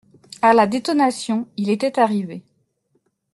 À la détonation, il était arrivé.